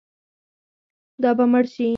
دا به مړ شي.